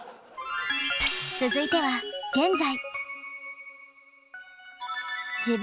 続いては現在。